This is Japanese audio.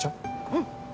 うん。